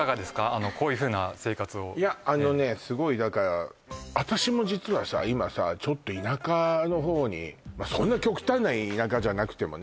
あのこういうふうな生活をいやあのねすごいだから私も実はさ今さちょっと田舎の方にまあそんな極端な田舎じゃなくてもね